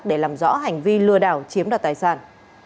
để làm rõ hành vi lừa đảo chiếm đoạt tài sản